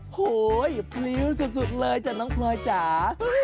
โหยพลิ้วสุดเลยจ้ะน้องพลอยจ๋า